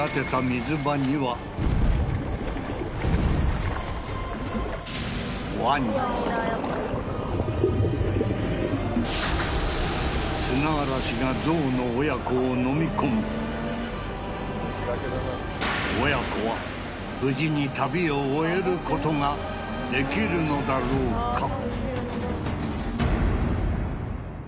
水場には砂嵐がゾウの親子をのみ込む親子は無事に旅を終えることができるのだろうか？